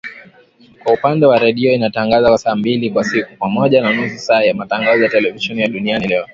Kwa upande wa redio inatangaza kwa saa mbili kwa siku, pamoja na nusu saa ya matangazo ya televisheni ya Duniani Leo.